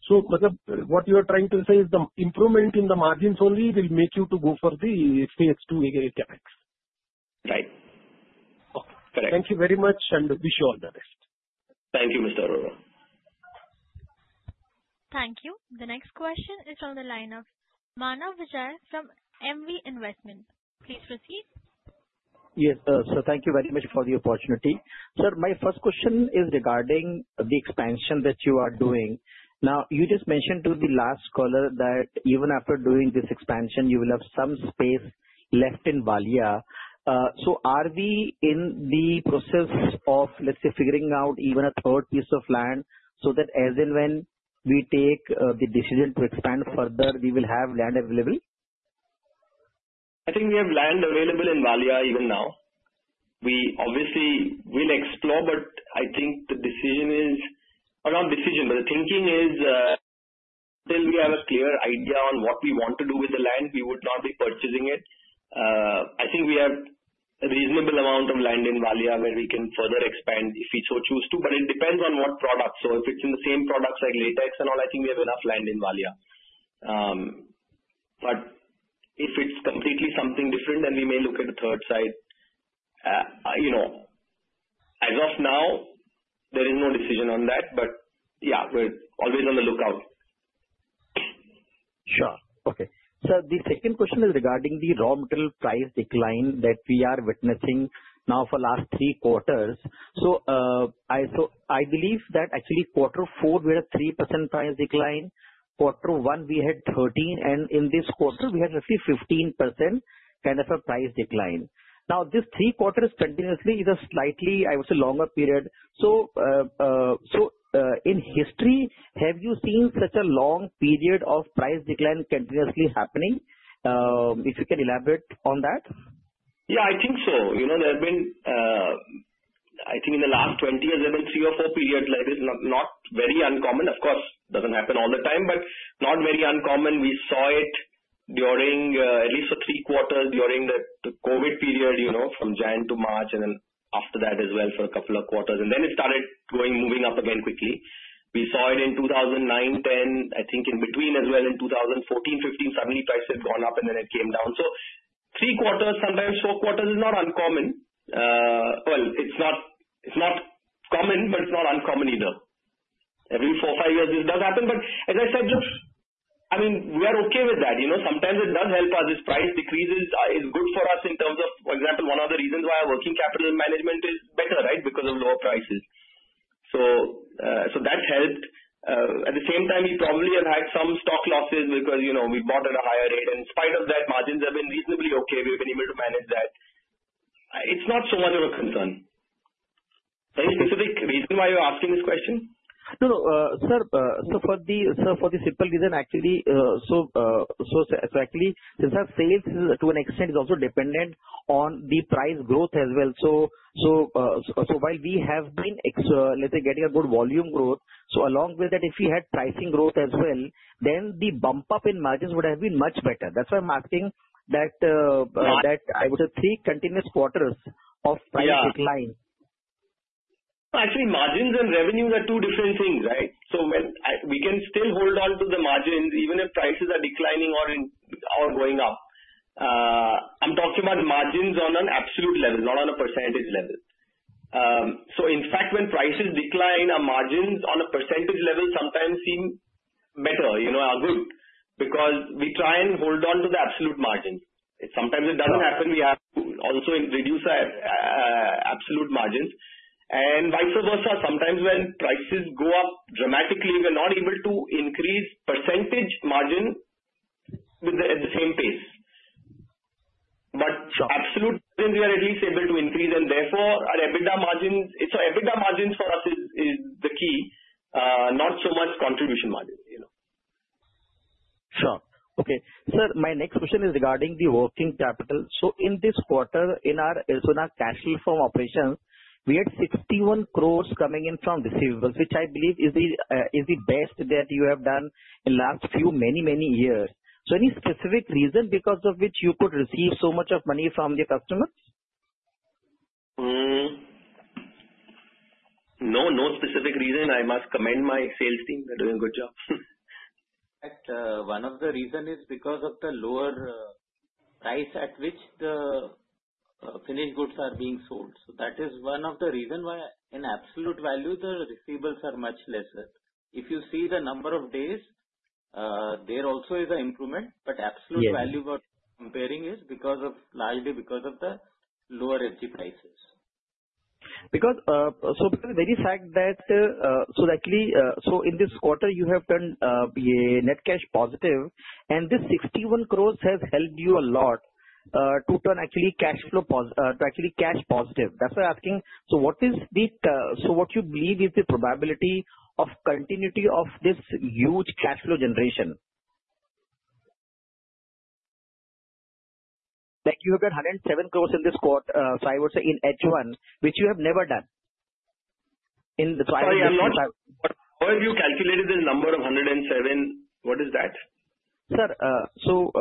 Speaker 9: What you are trying to say is the improvement in the margins only will make you go for the phase II CapEx?
Speaker 5: Right.
Speaker 10: Okay.
Speaker 5: Correct.
Speaker 10: Thank you very much, and wish you all the best.
Speaker 5: Thank you, Mr. Arora.
Speaker 1: Thank you. The next question is from the line of Manav Vijay from MV Investments. Please proceed.
Speaker 11: Yes, sir. So thank you very much for the opportunity. Sir, my first question is regarding the expansion that you are doing. Now, you just mentioned to the last caller that even after doing this expansion, you will have some space left in Valia. So are we in the process of, let's say, figuring out even a third piece of land so that as and when we take the decision to expand further, we will have land available?
Speaker 5: I think we have land available in Valia even now. We obviously will explore, but I think the decision is around, but the thinking is until we have a clear idea on what we want to do with the land, we would not be purchasing it. I think we have a reasonable amount of land in Valia where we can further expand if we so choose to, but it depends on what products. So if it's in the same products like latex and all, I think we have enough land in Valia. But if it's completely something different, then we may look at a third site. As of now, there is no decision on that, but yeah, we're always on the lookout.
Speaker 11: Sure. Okay. Sir, the second question is regarding the raw material price decline that we are witnessing now for the last three quarters. So I believe that actually quarter four, we had a 3% price decline. Quarter one, we had 13%, and in this quarter, we had roughly 15% kind of a price decline. Now, this three quarters continuously is a slightly, I would say, longer period. So in history, have you seen such a long period of price decline continuously happening? If you can elaborate on that.
Speaker 5: Yeah, I think so. There have been, I think in the last 20 years, there have been three or four periods like this, not very uncommon. Of course, it doesn't happen all the time, but not very uncommon. We saw it during at least three quarters during the COVID period, from January to March, and then after that as well for a couple of quarters, and then it started moving up again quickly. We saw it in 2009, 2010, I think in between as well in 2014, 2015; suddenly prices had gone up, and then it came down, so three quarters, sometimes four quarters is not uncommon. Well, it's not common, but it's not uncommon either. Every four or five years, this does happen, but as I said, look, I mean, we are okay with that. Sometimes it does help us. If price decreases, it's good for us in terms of, for example, one of the reasons why our working capital management is better, right, because of lower prices. So that helped. At the same time, we probably have had some stock losses because we bought at a higher rate. In spite of that, margins have been reasonably okay. We've been able to manage that. It's not so much of a concern. Any specific reason why you're asking this question?
Speaker 11: No, no. Sir, for the simple reason, actually, so actually, since our sales to an extent is also dependent on the price growth as well. So while we have been, let's say, getting a good volume growth, so along with that, if we had pricing growth as well, then the bump up in margins would have been much better. That's why I'm asking that I would say three continuous quarters of price decline.
Speaker 5: Actually, margins and revenues are two different things, right? So we can still hold on to the margins even if prices are declining or going up. I'm talking about margins on an absolute level, not on a percentage level. So in fact, when prices decline, our margins on a percentage level sometimes seem better, are good, because we try and hold on to the absolute margins. Sometimes it doesn't happen. We have to also reduce our absolute margins. And vice versa, sometimes when prices go up dramatically, we're not able to increase percentage margin at the same pace. But absolute margins, we are at least able to increase, and therefore, our EBITDA margins, so EBITDA margins for us is the key, not so much contribution margin.
Speaker 11: Sure. Okay. Sir, my next question is regarding the working capital. So in this quarter, in our cash flow from operations, we had 61 crores coming in from receivables, which I believe is the best that you have done in the last few many, many years. So any specific reason because of which you could receive so much of money from the customers?
Speaker 5: No, no specific reason. I must commend my sales team. They're doing a good job.
Speaker 3: One of the reasons is because of the lower price at which the finished goods are being sold. So that is one of the reasons why in absolute value, the receivables are much lesser. If you see the number of days, there also is an improvement, but absolute value we're comparing is largely because of the lower FG prices.
Speaker 11: So the very fact that actually in this quarter, you have turned net cash positive, and this 61 crore has helped you a lot to turn actually cash flow to actually cash positive. That's why I'm asking, so what you believe is the probability of continuity of this huge cash flow generation? Like you have got 107 crore in this quarter, so I would say in H1, which you have never done in the prior quarter.
Speaker 5: Sorry, I'm not sure where you have calculated the number of 107? What is that?
Speaker 11: Sir, so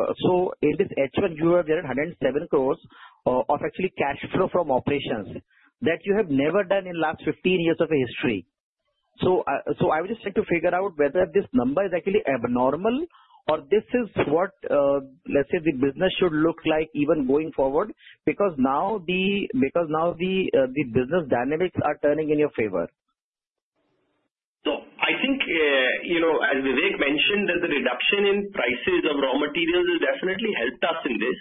Speaker 11: in this H1, you have generated 107 crore of actual cash flow from operations that you have never done in the last 15 years of history. So I would just like to figure out whether this number is actually abnormal or this is what, let's say, the business should look like even going forward because now the business dynamics are turning in your favor.
Speaker 5: So I think, as Vivek mentioned, that the reduction in prices of raw materials has definitely helped us in this.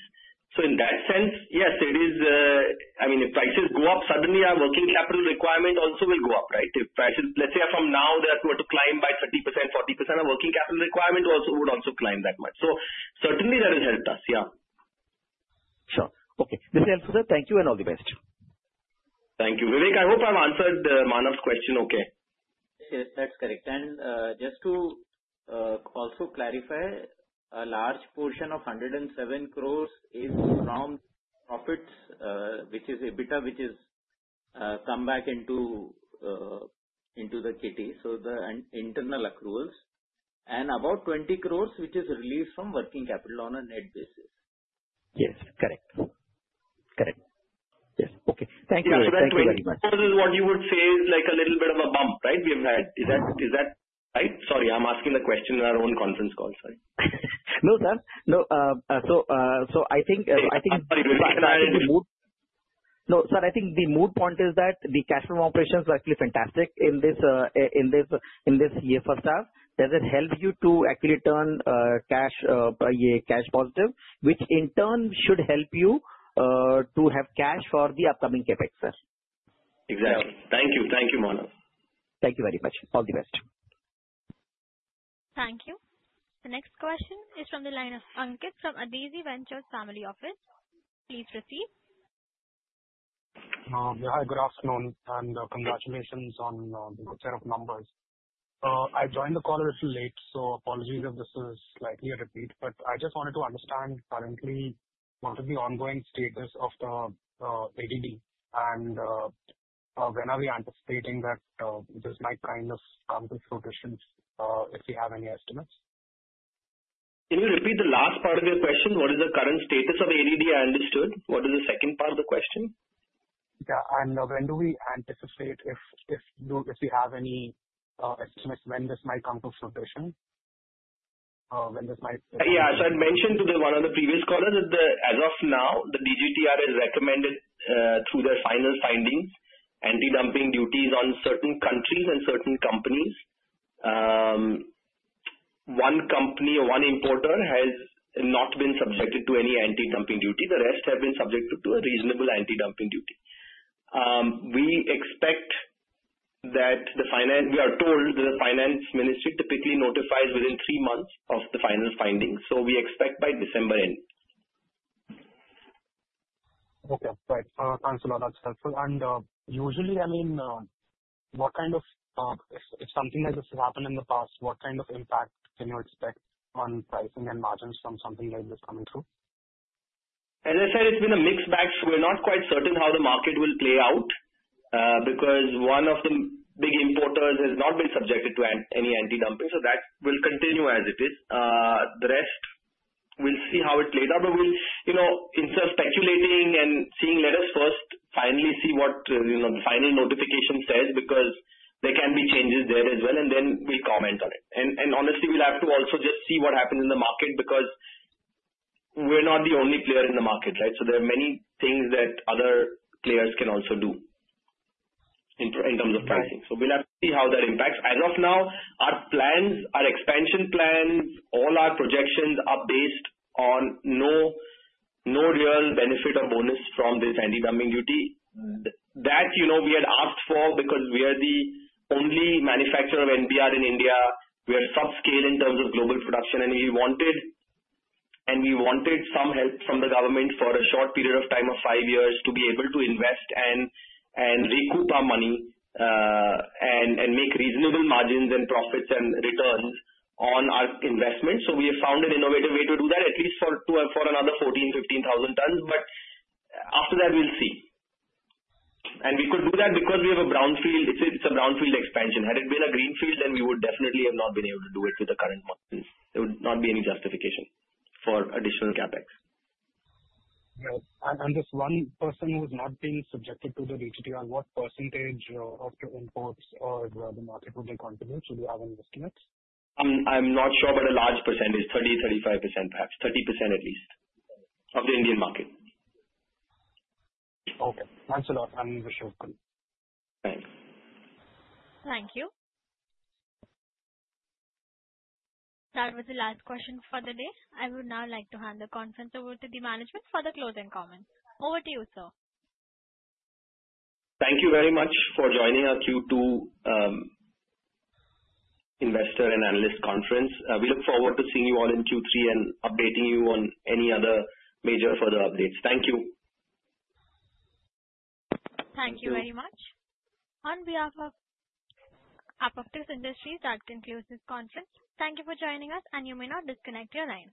Speaker 5: So in that sense, yes, it is I mean, if prices go up, suddenly our working capital requirement also will go up, right? If prices, let's say from now, they are going to climb by 30%, 40%, our working capital requirement would also climb that much. So certainly, that has helped us, yeah.
Speaker 11: Sure. Okay. Mr. Abhiraj, thank you and all the best.
Speaker 5: Thank you. Vivek, I hope I've answered Manav's question okay.
Speaker 3: Yes, that's correct. And just to also clarify, a large portion of 107 crore is from profits, which is EBITDA, which has come back into the kitty, so the internal accruals, and about 20 crore, which is released from working capital on a net basis.
Speaker 11: Yes. Correct. Correct. Yes. Okay. Thank you. Yeah. So that's very much.
Speaker 5: So that's what you would say is like a little bit of a bump, right? We have had is that right? Sorry, I'm asking the question in our own conference call. Sorry.
Speaker 11: No, sir. No. So I think.
Speaker 5: Sorry. I think. Sorry, Vivek. I had to move.
Speaker 11: No, sir. I think the main point is that the cash flow operations were actually fantastic in this year for starters. Does it help you to actually turn cash positive, which in turn should help you to have cash for the upcoming CapEx, sir?
Speaker 5: Exactly. Thank you. Thank you, Manav.
Speaker 11: Thank you very much. All the best.
Speaker 1: Thank you. The next question is from the line of Ankit from Adezi Ventures Family Office. Please proceed.
Speaker 12: Hi, good afternoon, and congratulations on the set of numbers. I joined the call a little late, so apologies if this is slightly a repeat, but I just wanted to understand currently what is the ongoing status of the ADD, and when are we anticipating that this might kind of come to fruition if we have any estimates?
Speaker 5: Can you repeat the last part of your question? What is the current status of ADD? I understood. What is the second part of the question?
Speaker 12: Yeah. And when do we anticipate if we have any estimates when this might come to fruition, when this might?
Speaker 5: Yeah. So I'd mentioned to one of the previous callers that as of now, the DGTR is recommended through their final findings, anti-dumping duties on certain countries and certain companies. One company or one importer has not been subjected to any anti-dumping duty. The rest have been subjected to a reasonable anti-dumping duty. We expect that the finance we are told that the Finance Ministry typically notifies within three months of the final findings. So we expect by December end.
Speaker 12: Okay. Right. Thanks a lot. That's helpful, and usually, I mean, what kind of if something like this has happened in the past, what kind of impact can you expect on pricing and margins from something like this coming through?
Speaker 5: As I said, it's been a mixed batch. We're not quite certain how the market will play out because one of the big importers has not been subjected to any anti-dumping, so that will continue as it is. The rest, we'll see how it plays out, but we'll, instead of speculating and seeing let us first finally see what the final notification says because there can be changes there as well, and then we'll comment on it, and honestly, we'll have to also just see what happens in the market because we're not the only player in the market, right, so there are many things that other players can also do in terms of pricing, so we'll have to see how that impacts. As of now, our plans, our expansion plans, all our projections are based on no real benefit or bonus from this anti-dumping duty. That we had asked for because we are the only manufacturer of NBR in India. We are subscale in terms of global production, and we wanted some help from the government for a short period of time of five years to be able to invest and recoup our money and make reasonable margins and profits and returns on our investment. We have found an innovative way to do that, at least for another 14,000, 15,000 tons. But after that, we'll see. We could do that because we have a brownfield; it's a brownfield expansion. Had it been a greenfield, then we would definitely have not been able to do it with the current margins. There would not be any justification for additional CapEx.
Speaker 12: Just one person who has not been subjected to the DGTR, what percentage of the imports or the market will they continue to have an estimate?
Speaker 5: I'm not sure, but a large percentage, 30% to 35%, perhaps 30% at least of the Indian market.
Speaker 12: Okay. Thanks a lot. I'm wishing you well.
Speaker 5: Thanks.
Speaker 1: Thank you. That was the last question for the day. I would now like to hand the conference over to the management for the closing comments. Over to you, sir.
Speaker 5: Thank you very much for joining our Q2 investor and analyst conference. We look forward to seeing you all in Q3 and updating you on any other major further updates. Thank you.
Speaker 1: Thank you very much. On behalf of Apcotex Industries, that concludes this conference. Thank you for joining us, and you may now disconnect your line.